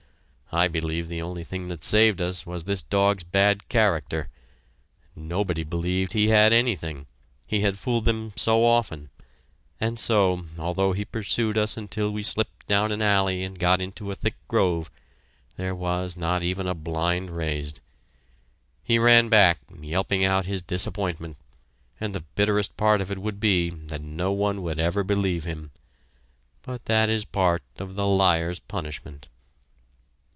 I believe the only thing that saved us was this dog's bad character. Nobody believed he had anything he had fooled them so often and so, although he pursued us until we slipped down an alley and got into a thick grove, there was not even a blind raised. He ran back, yelping out his disappointment, and the bitterest part of it would be that no one would ever believe him but that is part of the liar's punishment.